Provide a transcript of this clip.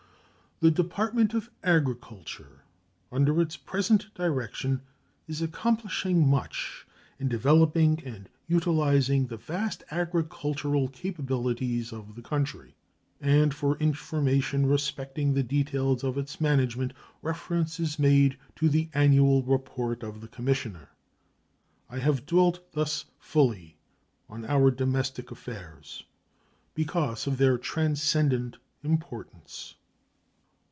The Department of Agriculture under its present direction is accomplishing much in developing and utilizing the vast agricultural capabilities of the country, and for information respecting the details of its management reference is made to the annual report of the Commissioner. I have dwelt thus fully on our domestic affairs because of their transcendent importance.